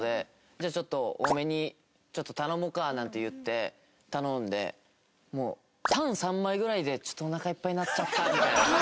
「じゃあちょっと多めに頼むか」なんて言って頼んでもうタン３枚ぐらいで「ちょっとおなかいっぱいになっちゃった」みたいな。